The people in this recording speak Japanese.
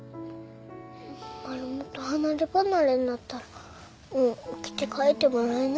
マルモと離れ離れになったらもうおきて書いてもらえないね。